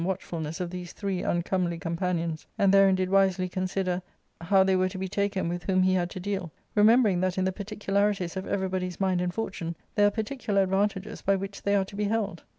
— Book IIL 391 watchfulness of these three uncomely companions, and therein did wisely consider how they were to be taken with whom he had to deal, remembering that in the particularities of every '^ body's mind and fortune there are particular advantages by which they are to be held.